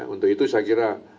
untuk itu saya kira